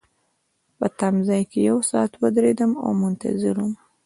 په تمځای کي یو ساعت ودریدم او منتظر وم.